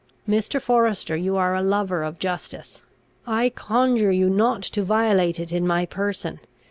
"Mr. Forester, you are a lover of justice; I conjure you not to violate it in my person.